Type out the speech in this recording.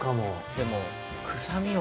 でも。